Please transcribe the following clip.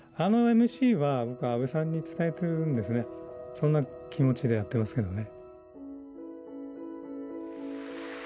そんな気持ちでやってますけどね。